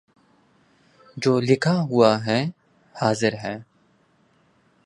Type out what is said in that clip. جو لکھا ہوا ہے حاضر ہے